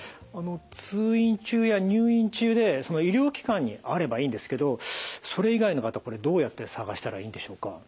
通院中や入院中で医療機関にあればいいんですけどそれ以外の方これどうやって探したらいいんでしょうか。